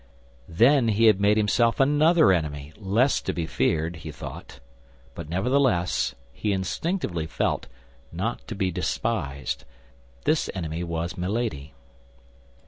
Then he had made himself another enemy, less to be feared, he thought; but nevertheless, he instinctively felt, not to be despised. This enemy was Milady.